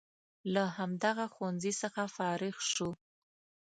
له همدغه ښوونځي څخه فارغ شو.